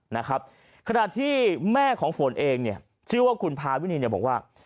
นะครับขณะที่แม่ของฝนเองเนี่ยชื่อว่าคุณพาวินีเนี่ยบอกว่า